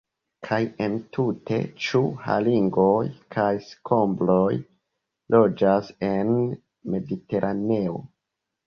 Kaj entute, ĉu haringoj kaj skombroj loĝas en Mediteraneo?